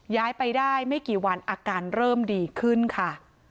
ย้ายไปได้ไม่กี่วันอาการเริ่มดีขึ้นค่ะ